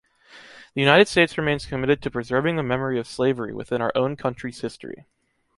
The United States remains committed to preserving the memory of slavery within our own country’s history.